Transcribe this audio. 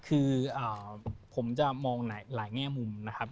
คือผมจะมองหลายแง่มุมนะครับ